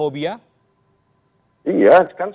jadi anda mengatakan bahwa islamofobia